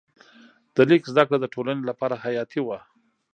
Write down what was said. د لیک زده کړه د ټولنې لپاره حیاتي وه.